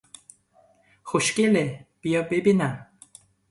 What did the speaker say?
خوشگله، بیا ببینم!